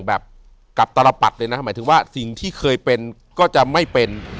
แบบกับตลปัดเลยนะหมายถึงว่าสิ่งที่เคยเป็นก็จะไม่เป็น